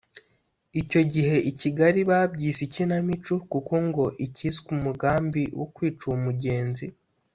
Icyo gihe i Kigali babyise ikinamico kuko ngo icyiswe umugambi wo kwica uwo Mugenzi